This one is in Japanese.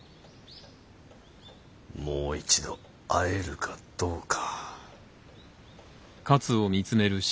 もう一度会えるかどうか。